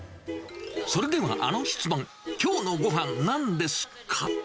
それではあの質問、きょうのご飯、なんですか？